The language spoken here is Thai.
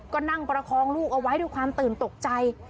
ก็นั่งประคองลูกเอาไว้ด้วยความตื่นตกใจ